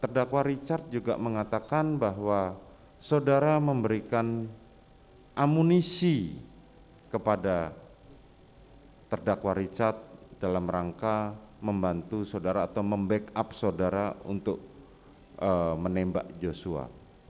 terdakwa richard juga mengatakan bahwa saudara memberikan amunisi kepada terdakwa richard dalam rangka membantu saudara atau membackup saudara untuk menembak joshua